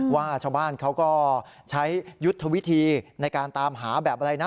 ว่าชาวบ้านเขาก็ใช้ยุทธวิธีในการตามหาแบบอะไรนะ